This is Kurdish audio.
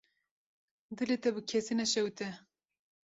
Dilê te bi kesî naşewite.